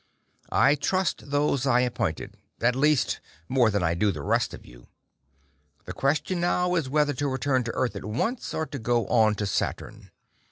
"I trust those I appointed at least more than I do the rest of you. The question now is whether to return to Earth at once or to go on to Saturn.